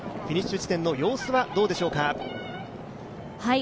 フィニッシュ地点の様子はどうでしょうか？